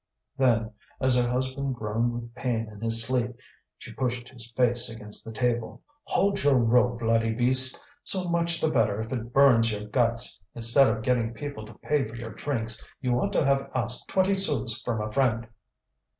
Then, as her husband groaned with pain in his sleep, she pushed his face against the table. "Hold your row, bloody beast! So much the better if it burns your guts! Instead of getting people to pay for your drinks, you ought to have asked twenty sous from a friend."